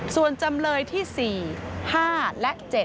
ส่วนจำเลยที่๔๕และ๗